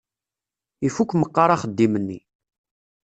Ifukk meqqar axeddim-nni.